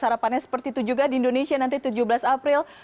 harapannya seperti itu juga di indonesia nanti tujuh belas april